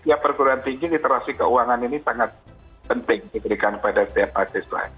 setiap perguruan tinggi literasi keuangan ini sangat penting diberikan pada setiap mahasiswa